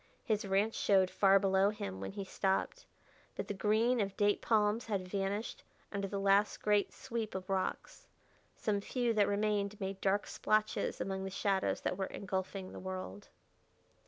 His ranch showed far below him when he stopped, but the green of date palms had vanished under the last great sweep of rocks. Some few that remained made dark splotches among the shadows that were engulfing the world.